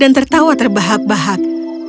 dan tertawa terbahak bahak